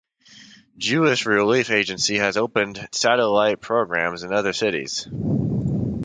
Jewish Relief Agency has opened satellite programs in other cities.